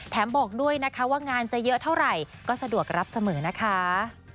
บอกด้วยนะคะว่างานจะเยอะเท่าไหร่ก็สะดวกรับเสมอนะคะ